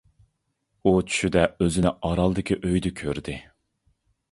ئۇ چۈشىدە ئۆزىنى ئارالدىكى ئۆيدە كۆردى.